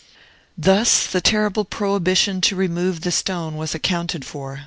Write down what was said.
Thus the terrible prohibition to remove the stone was accounted for.